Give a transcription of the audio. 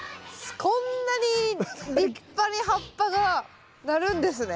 こんなに立派に葉っぱがなるんですね。